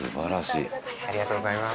ありがとうございます。